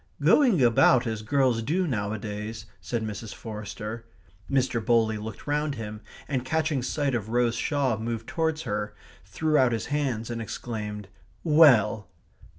"Going about as girls do nowadays " said Mrs. Forster. Mr. Bowley looked round him, and catching sight of Rose Shaw moved towards her, threw out his hands, and exclaimed: "Well!"